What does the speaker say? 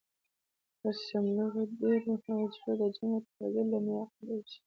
پر شملورو دېرو، هوجرو د جنګ او ترهګرۍ لمبې خورې شوې.